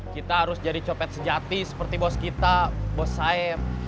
kita harus jadi copet sejati seperti bos kita bos saya